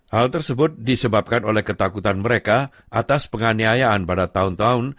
hal tersebut disebabkan oleh ketakutan mereka atas penganiayaan pada tahun tahun